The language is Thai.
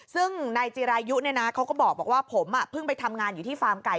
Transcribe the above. ซึ่งในจิรายุเขาก็บอกว่าผมเพิ่งไปทำงานอยู่ที่ฟาร์มไก่